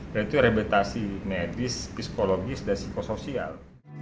yaitu rehabilitasi medis psikologis dan psikosoial